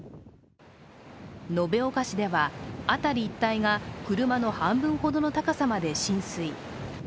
延岡市では、辺り一帯が車の半分ほどの高さまで浸水。